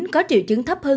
có triệu chứng thấp hơn